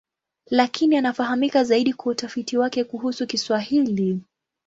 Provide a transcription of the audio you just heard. Lakini anafahamika zaidi kwa utafiti wake kuhusu Kiswahili.